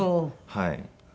はい。